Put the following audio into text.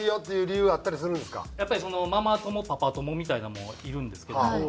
やっぱりママ友パパ友みたいなもんはいるんですけども。